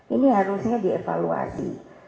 ini harusnya dievaluasi